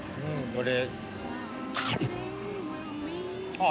これ。